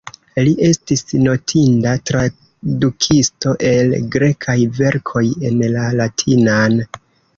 Li estis notinda tradukisto el grekaj verkoj en la latinan.